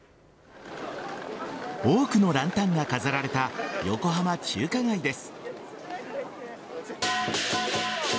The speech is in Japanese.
多くのランタンが飾られた横浜中華街です。